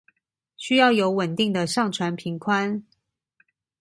需要有穩定的上傳頻寬